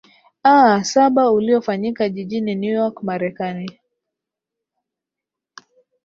aa saba uliofanyika jijini new york marekani